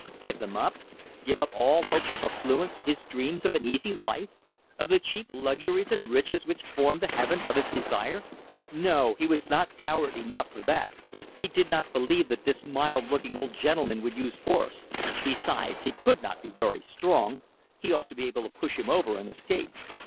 Give them up! Give up all his hopes of affluence, his dreams of an easy life, of the cheap luxuries and riches which formed the Heaven of his desire! No! He was not coward enough for that. He did not believe that this mild looking old gentleman would use force. Besides, he could not be very strong. He ought to be able to push him over and escape!